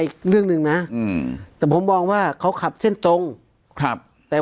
อีกเรื่องหนึ่งนะอืมแต่ผมมองว่าเขาขับเส้นตรงครับแต่